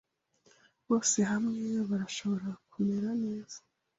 Bose hamwe barashobora kumera neza